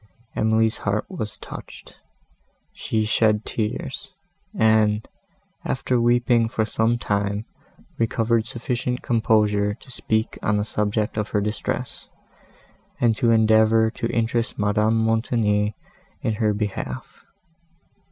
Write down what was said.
Emily's heart was touched; she shed tears, and, after weeping for some time, recovered sufficient composure to speak on the subject of her distress, and to endeavour to interest Madame Montoni in her behalf.